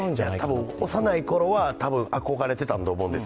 多分、幼いころは憧れてたんだと思うんです。